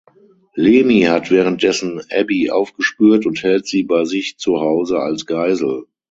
Lemi hat währenddessen Abbie aufgespürt und hält sie bei sich zu Hause als Geisel.